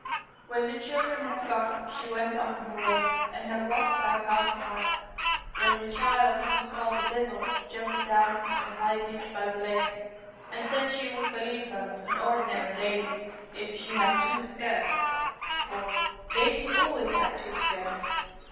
When the children had gone she went on her way, and had walked about half a mile, when the child who was called ' a divil ' jumped down from the high ditch by the lane, and said she would believe her ' an ordinary lady ' if she had 'two skirts,' for 'ladies always had two skirts.'